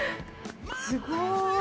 すごい。